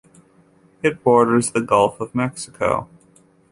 It borders the Gulf of Mexico.